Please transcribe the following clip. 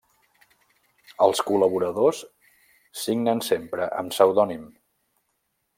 Els col·laboradors signen sempre amb pseudònim.